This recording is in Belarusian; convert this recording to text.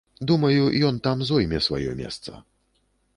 Думаю, ён там зойме сваё месца.